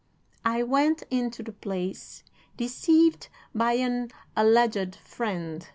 I went into the place, deceived by an alleged friend.